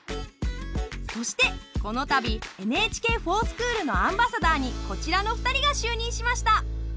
そしてこの度「ＮＨＫｆｏｒＳｃｈｏｏｌ」のアンバサダーにこちらの２人が就任しました！